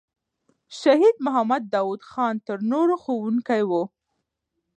شهید محمد داود خان تر نورو ښوونکی وو.